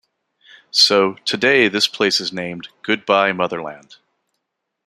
So, today this place is named Goodbye, Motherland!